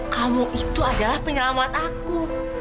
kamu itu adalah penyelamat aku